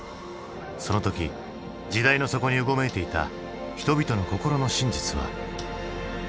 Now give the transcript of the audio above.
その時時代の底にうごめいていた人々の心の真実は？